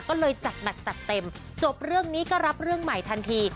ก็เลยจัดหนักจัดเต็มจบเรื่องนี้ก็รับเรื่องใหม่ทันที